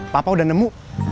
papa udah nemu